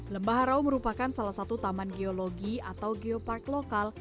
lembah harau merupakan salah satu taman geologi atau geopark lokal